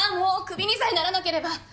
クビにさえならなければ！